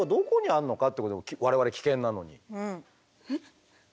我々危険なのに。